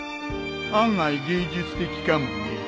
案外芸術的かもね。